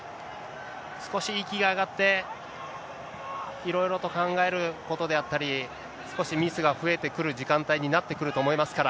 少し息が上がって、いろいろと考えることであったり、少しミスが増えてくる時間帯になってくると思いますから。